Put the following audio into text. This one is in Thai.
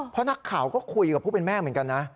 เพราะนักข่าวก็คุยกับผู้เป็นแม่เหมือนกันนะ